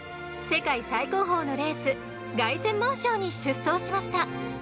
世界最高峰のレース凱旋門賞に出走しました。